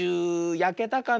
やけたかな。